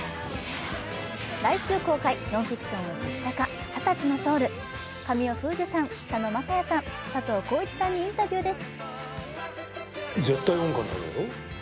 来週公開、ノンフィクションの実写化、「２０歳のソウル」、神尾楓珠さん、佐野晶哉さん、佐藤浩市さんにインタビューです。